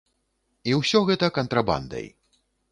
І ўсё гэта кантрабандай.